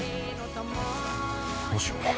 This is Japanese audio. どうしよう。